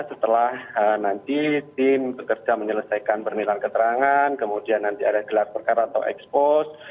setelah nanti tim pekerja menyelesaikan bernilai keterangan kemudian nanti ada gelar perkara atau ekspos